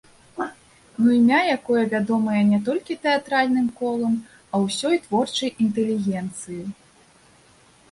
Ну імя, якое вядомае не толькі тэатральным колам, а ўсёй творчай інтэлігенцыі!